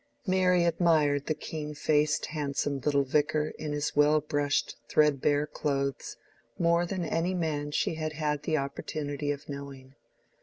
Mary admired the keen faced handsome little Vicar in his well brushed threadbare clothes more than any man she had had the opportunity of knowing.